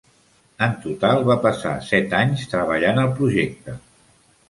En total, va passar set anys treballant al projecte.